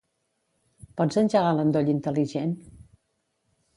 Pots engegar l'endoll intel·ligent?